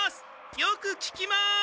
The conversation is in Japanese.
よくききます！